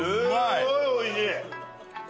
すごい美味しい。